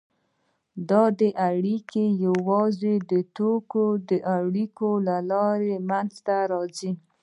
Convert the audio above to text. دا اړیکې یوازې د توکو د اړیکو له لارې منځته راځي